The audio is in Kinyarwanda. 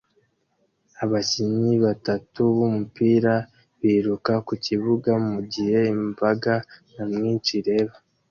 Abakinnyi batatu b'umupira biruka mu kibuga mugihe imbaga nyamwinshi ireba